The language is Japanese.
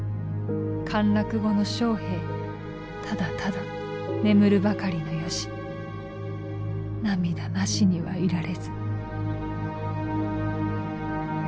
陥落後の将兵ただただ眠るばかりの由涙なしにはいられず」。